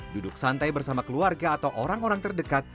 duduk santai bersama keluarga atau orang orang terdekat